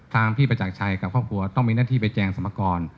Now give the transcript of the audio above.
ทางพี่ประจักรชัยกับครอบครัวต้องมีหน้าที่ไปแจงสมกร